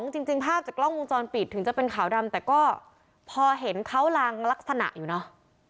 จริงภาพจากกล้องวงจรปิดถึงจะเป็นขาวดำแต่ก็พอเห็นเขาลางลักษณะอยู่เนอะ